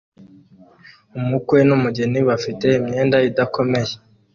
Umukwe n'umugeni bafite imyenda idakomeye